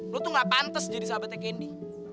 lo tuh gak pantes jadi sahabatnya candy